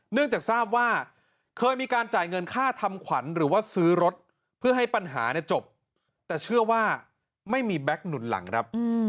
เนื่องจากทราบว่าเคยมีการจ่ายเงินค่าทำขวัญหรือว่าซื้อรถเพื่อให้ปัญหาจบแต่เชื่อว่าไม่มีแบ็คหนุนหลังครับ